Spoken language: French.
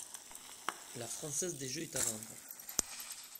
La française des jeux est à vendre.